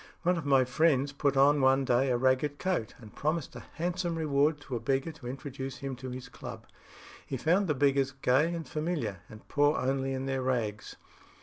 One of my friends put on one day a ragged coat, and promised a handsome reward to a beggar to introduce him to his club. He found the beggars gay and familiar, and poor only in their rags.